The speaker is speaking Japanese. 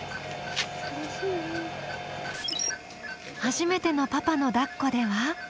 初めてのパパの抱っこでは？